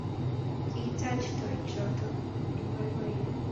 kikitach toichoto eng boiboiyet